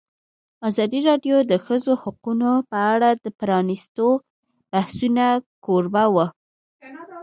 ازادي راډیو د د ښځو حقونه په اړه د پرانیستو بحثونو کوربه وه.